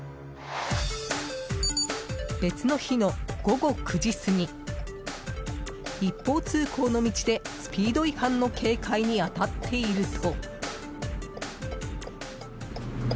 別の日の午後９時過ぎ一方通行の道でスピード違反の警戒に当たっていると。